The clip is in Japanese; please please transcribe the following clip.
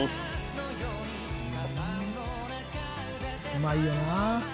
うまいよなあ。